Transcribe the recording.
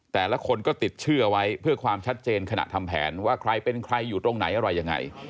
แต่ละคนก็ติดชื่อเอาไว้เพื่อความชัดเจนขณะทำแผนว่าใครเป็นใครอยู่ตรงไหนอะไรยังไง